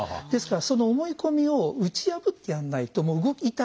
ですからその思い込みを打ち破ってやらないと動き